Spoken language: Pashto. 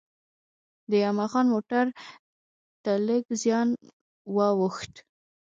د یما خان موټر ته لږ زیان وا ووښت.